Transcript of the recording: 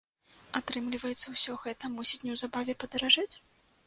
Атрымліваецца, усё гэта мусіць неўзабаве падаражэць?